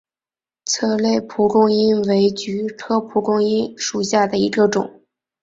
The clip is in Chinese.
策勒蒲公英为菊科蒲公英属下的一个种。